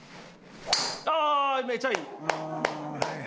ああめっちゃいい！